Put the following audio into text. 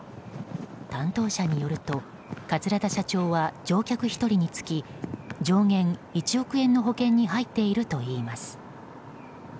担当者によると、桂田社長は乗客１人につき上限１億円の保険に入っているといいます。